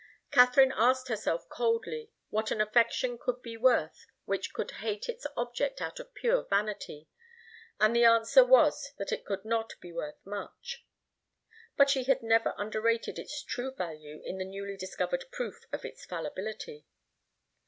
Katharine asked herself coldly what an affection could be worth which could hate its object out of pure vanity; and the answer was that it could not be worth much. But she never underrated its true value in the newly discovered proof of its fallibility.